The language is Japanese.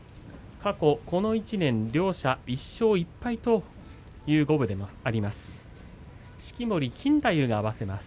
過去この１年、両者１勝１敗と五分ではあります。